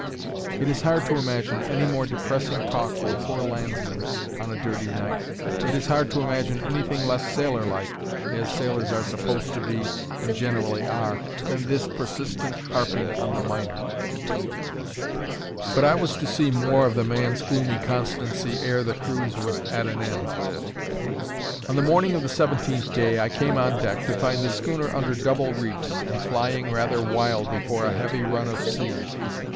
It is hard to imagine any more depressing talk for a poor landsman on a dirty night; it is hard to imagine anything less sailor like (as sailors are supposed to be, and generally are) than this persistent harping on the minor. But I was to see more of the man's gloomy constancy ere the cruise was at an end. On the morning of the seventeenth day I came on deck, to find the schooner under double reefs, and flying rather wild before a heavy run of sea.